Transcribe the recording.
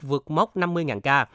vượt mốc năm mươi ca